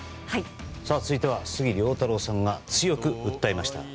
次は杉良太郎さんが強く訴えました。